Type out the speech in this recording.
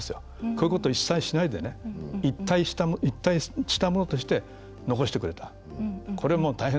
こういうことを一切しないで一体したものとして大事にしてくれた。